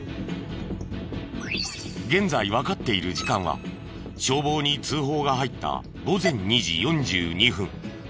現在わかっている時間は消防に通報が入った午前２時４２分。